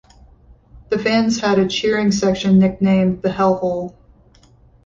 The fans had a cheering section nicknamed "The Hellhole".